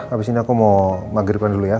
habis ini aku mau maghribnya dulu ya